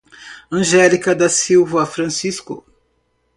Angelica da Silva Francisco